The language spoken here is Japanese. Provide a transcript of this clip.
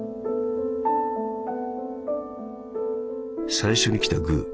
「最初に来たグー。